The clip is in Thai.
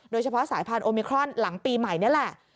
โดยเฉพาะสายพันธุมิครอนหลังปีใหม่นี่แหละ